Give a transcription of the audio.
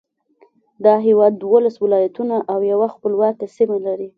دا هېواد دولس ولایتونه او یوه خپلواکه سیمه لري.